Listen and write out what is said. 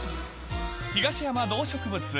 東山動植物園。